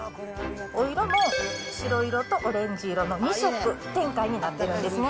お色も白色とオレンジ色の２色展開になってるんですね。